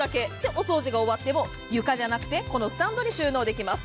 お掃除が終わっても、床じゃなくて、このスタンドに収納できます。